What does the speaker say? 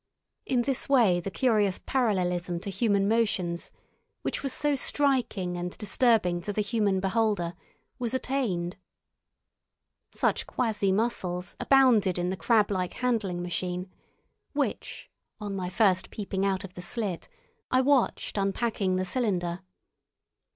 In this way the curious parallelism to animal motions, which was so striking and disturbing to the human beholder, was attained. Such quasi muscles abounded in the crablike handling machine which, on my first peeping out of the slit, I watched unpacking the cylinder.